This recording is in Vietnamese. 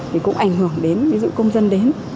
thì cũng ảnh hưởng đến những lúc bị ngắt kết nối